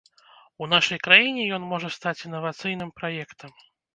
У нашай краіне ён можа стаць інавацыйным праектам.